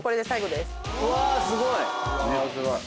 うわすごい。